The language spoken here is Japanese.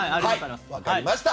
分かりました。